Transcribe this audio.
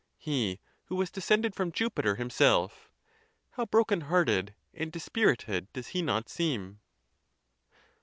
—he who was descended from Ju piter himself, how broken hearted and dispirited does he not seem